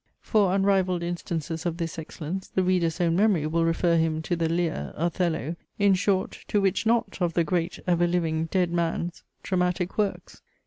For unrivalled instances of this excellence, the reader's own memory will refer him to the LEAR, OTHELLO, in short to which not of the "great, ever living, dead man's" dramatic works?